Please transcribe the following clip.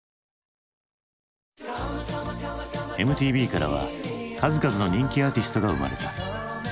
ＭＴＶからは数々の人気アーティストが生まれた。